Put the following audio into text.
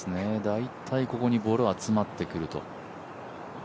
大体ここにボールが集まってくると。